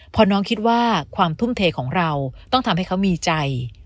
พอน้องคิดว่าความทุ่มเทของเราต้องทำให้เขามีใจ